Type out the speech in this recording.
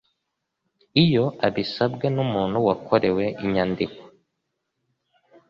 Iyo abisabwe n umuntu wakorewe inyandiko